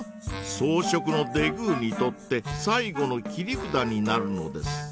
草食のデグーにとって最後の切り札になるのです。